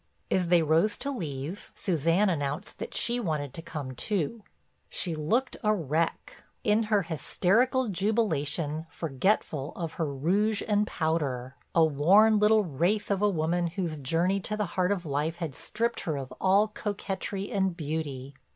As they rose to leave, Suzanne announced that she wanted to come too. She looked a wreck, in her hysterical jubilation forgetful of her rouge and powder; a worn little wraith of a woman whose journey to the heart of life had stripped her of all coquetry and beauty.